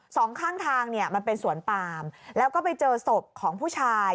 สองข้างทางเนี่ยมันเป็นสวนปามแล้วก็ไปเจอศพของผู้ชาย